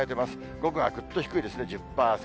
午後はぐっと低いですね、１０％。